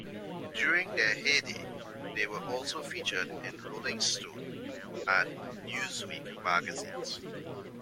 During their heyday, they were also featured in "Rolling Stone" and "Newsweek" magazines.